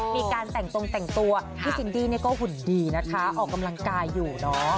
มีการแต่งตรงแต่งตัวพี่ซินดี้ก็หุ่นดีนะคะออกกำลังกายอยู่เนอะ